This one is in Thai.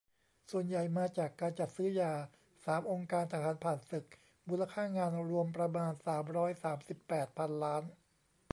ส่วนใหญ่มาจากการจัดซื้อยา สาม องค์การทหารผ่านศึก มูลค่างานรวมประมาณ สามร้อยสามสิบแปด พันล้าน